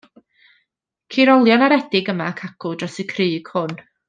Ceir olion aredig yma ac acw dros y crug hwn.